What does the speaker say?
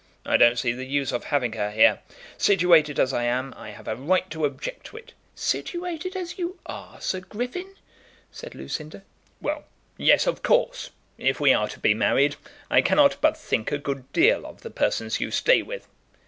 "I don't see the use of having her here. Situated as I am, I have a right to object to it." "Situated as you are, Sir Griffin!" said Lucinda. "Well; yes, of course; if we are to be married, I cannot but think a good deal of the persons you stay with."